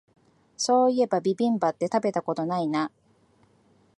そういえばビビンバって食べたことないな